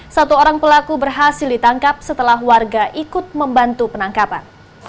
satu orang pelaku berhasil ditangkap setelah warga ikut membantu penangkapan